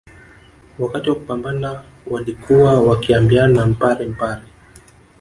Wakati wa kupambana walikuwa wakiambiana mpare mpare